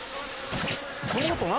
この音何？